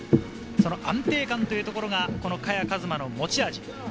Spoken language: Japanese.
安定感というところが萱和磨の持ち味。